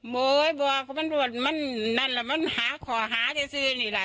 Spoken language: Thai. โบ๊ยบอกมันรวดมันนั่นแหละมันหาขอหาจะซื้อนี่ล่ะ